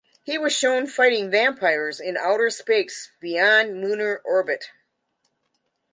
He was shown fighting vampires in outer space beyond lunar orbit.